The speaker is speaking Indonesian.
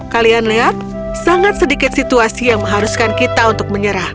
kalian lihat sangat sedikit situasi yang mengharuskan kita untuk menyerah